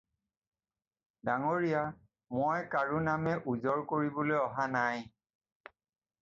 ডাঙৰীয়া, মই কাৰো নামে ওজৰ কৰিবলৈ অহা নাই